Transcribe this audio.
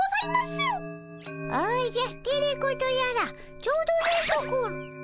おじゃテレ子とやらちょうどよいところ。